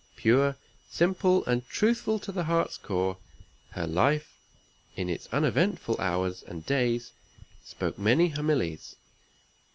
Pure, simple, and truthful to the heart's core, her life, in its uneventful hours and days, spoke many homilies.